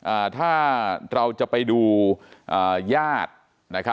อ่าถ้าเราจะไปดูอ่าญาติ